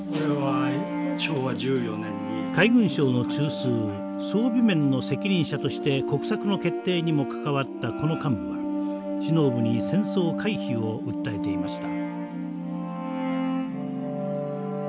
海軍省の中枢装備面の責任者として国策の決定にも関わったこの幹部は首脳部に戦争回避を訴えていました。